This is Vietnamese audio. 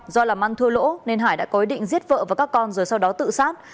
do làm ăn thua lỗ nên hải đã có ý định giết vợ và các con rồi sau đó tự sát